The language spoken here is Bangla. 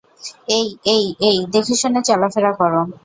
এই, এই, এই, দেখেশুনে চলাফেরা করো।